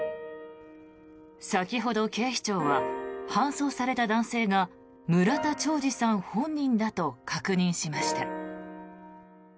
先ほど警視庁は搬送された男性が村田兆治さん本人だと確認しました。